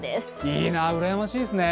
いいな、うらやましいですね。